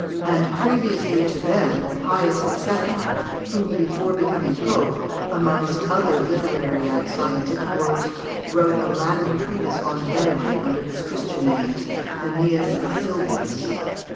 and, previously to them, Pius II, who, before becoming Pope, amongst other literary and scientific works, wrote a Latin treatise on venery under his Christian names, Æneas Silvius.